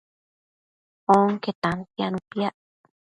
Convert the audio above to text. Onque tantianu piac